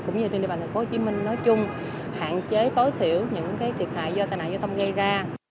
cũng như trên địa bàn thành phố hồ chí minh nói chung hạn chế tối thiểu những thiệt hại do tài nạn giao thông gây ra